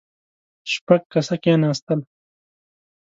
شپږ کسه کېناستل.